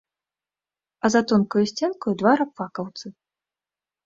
А за тонкаю сценкаю два рабфакаўцы.